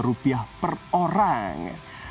rp sepuluh juta per orang